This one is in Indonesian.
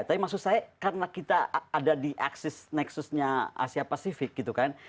tapi maksud saya karena kita ada di eksis nexusnya asia pasifik gitu kan